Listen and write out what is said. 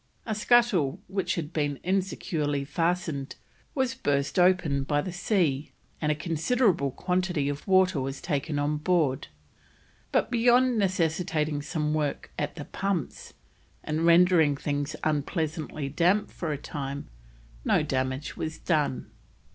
A scuttle which had been insecurely fastened was burst open by the sea, and a considerable quantity of water was taken on board, but beyond necessitating some work at the pumps and rendering things unpleasantly damp for a time, no damage was done.